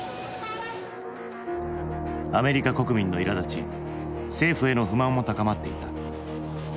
アメリカ国民のいらだち政府への不満も高まっていた。